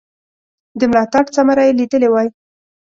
د ملاتړ ثمره یې لیدلې وای.